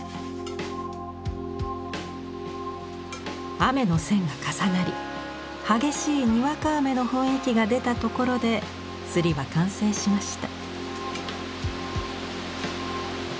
雨の線が重なり激しいにわか雨の雰囲気が出たところで摺りは完成しました。